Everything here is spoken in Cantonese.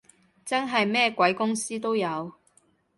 真係咩鬼公司都有